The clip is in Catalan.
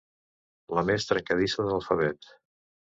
La més trencadissa de l'alfabet.